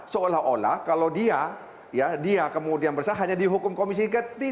seolah olah kalau dia ya dia kemudian bersalah hanya dihukum komisi ketiga